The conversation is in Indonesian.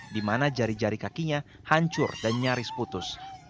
dimana jari jari kakinya hancur dan nyaris putus